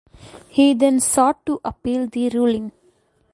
He then sought to appeal the ruling.